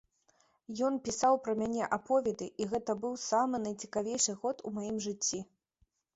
Ён пісаў пра мяне аповеды, і гэта быў самы найцікавейшы год у маім жыцці.